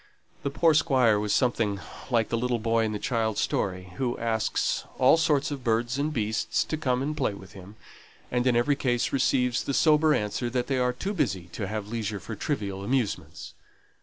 The poor Squire was something like the little boy in the child's story, who asks all sorts of birds and beasts to come and play with him; and, in every case, receives the sober answer, that they are too busy to have leisure for trivial amusements.